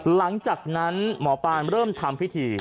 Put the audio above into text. หลังจากนั้นหมอปลานเริ่มทำพิธี